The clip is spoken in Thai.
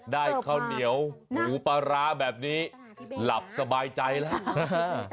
ข้าวเหนียวหมูปลาร้าแบบนี้หลับสบายใจแล้ว